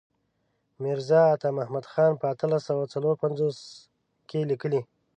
میرزا عطا محمد خان په اتلس سوه څلور پنځوس کې لیکلی.